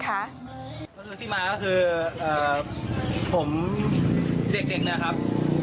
คุณผู้ชมที่มาก็คือผมเด็กนะครับ